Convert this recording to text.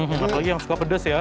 apalagi yang suka pedes ya